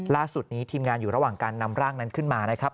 ล่าสุดนี้ทีมงานอยู่ระหว่างการนำร่างนั้นขึ้นมานะครับ